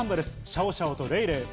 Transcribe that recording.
シャオシャオとレイレイ。